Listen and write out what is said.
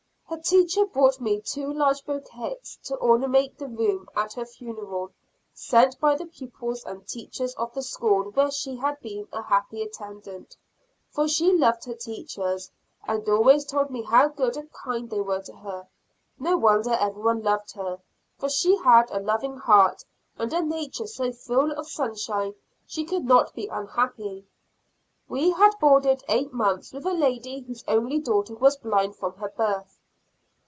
Her teacher brought me two large bouquets to ornament the room at her funeral, sent by the pupils and teachers of the school where she had been a happy attendant, for she loved her teachers, and always told me how good and kind they were to her; no wonder every one loved her, for she had a loving heart and a nature so full of sunshine she could not be unhappy. We had boarded eight months with a lady whose only daughter was blind from her birth.